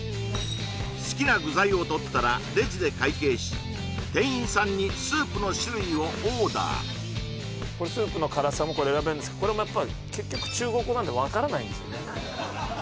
好きな具材を取ったらレジで会計し店員さんにスープの種類をオーダースープの辛さも選べるんですけどこれも結局中国語なんで分からないんですよね